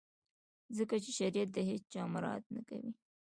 ځکه چي شریعت د هیڅ چا مراعات نه کوي.